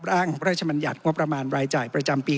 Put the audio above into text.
ร่างพระราชมัญญัติงบประมาณรายจ่ายประจำปี